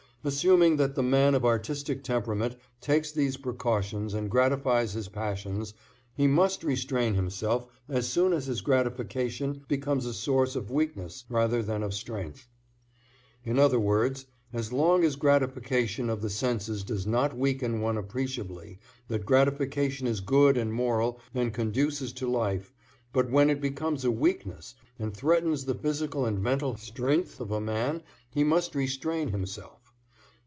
Assuming that the man of artistic temperament takes these precautions and gratifies his passions, he must restrain himself as soon as his gratification becomes a source of weakness rather than of strength. In other words, as long as gratification of the senses does not weaken one appreciably that gratification is good and moral and conduces to life, but when it becomes a weakness and threatens the physical and mental strength of a man he must restrain himself.